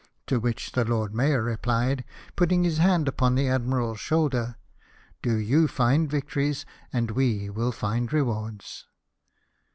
To which the Lord Mayor replied, putting his hand upon the Admiral's shoulder :" Do you find victories, and we will find rewards."